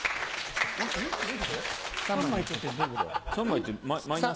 ３枚ってマイナス。